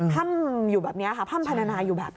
ค่ำอยู่แบบนี้ค่ะพร่ำพนาอยู่แบบนี้